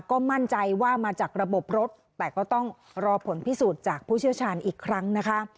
ก็มั่นใจว่ามาจากระบบรถแต่ก็ต้องรอผลพิสูจน์จากผู้เชี่ยวชาญอีกครั้งนะคะ